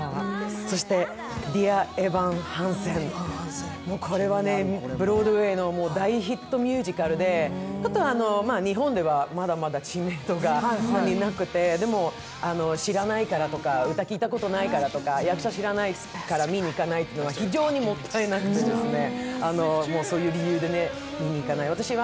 そして「ディア・エヴァン・ハンセン」、ブロードウェイの大ヒットミュージカルでちょっと日本ではまだまだ知名度がまだなくてでも知らないからとか、歌を聴いたことないからとか、役者知らないから見にいかないとか、非常にもったいなくて、そういう理由で見に行かないのは。